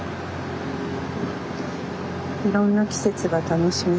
いろんな季節が楽しめそう。